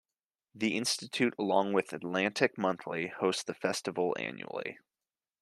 The Institute, along with "Atlantic Monthly", hosts the festival annually.